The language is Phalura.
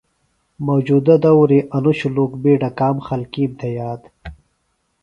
موجودہ دوری بہ انوۡ شُلوک بیڈہ کام خلکیم تھےۡ یاد